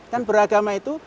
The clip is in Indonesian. kan beragama itu